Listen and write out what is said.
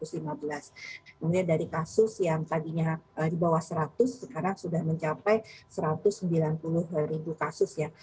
kemudian dari kasus yang tadinya di bawah seratus sekarang sudah mencapai satu ratus sembilan puluh ribu kasus ya